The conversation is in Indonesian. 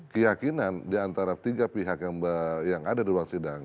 keyakinan diantara tiga pihak yang ada di ruang sidang